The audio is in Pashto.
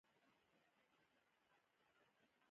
که یې له مخې یو طرفه کړي هېر یې بوله.